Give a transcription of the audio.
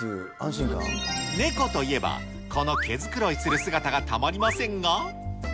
ネコといえば、この毛繕いする姿がたまりませんが。